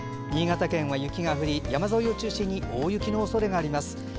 新潟県は雪が降り山沿いを中心に大雪の恐れがあります。